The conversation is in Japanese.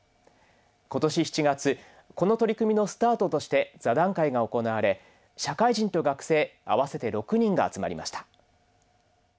今年７月この取り組みのスタートとして座談会が行われ社会人と学生合わせて６人が集まりました。